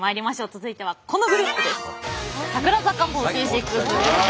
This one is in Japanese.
続いてはこのグループです！